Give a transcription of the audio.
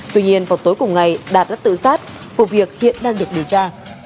tuy nhiên vào tối cùng ngày đạt đã tự sát vụ việc hiện đang được điều tra